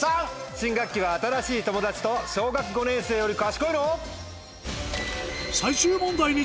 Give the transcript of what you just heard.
新学期は新しい友達と「小学５年生より賢いの？」。